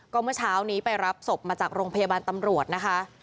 ก็เมื่อเช้านี้ไปรับศพมาจากโรงพยาบาลตำรวจนะคะ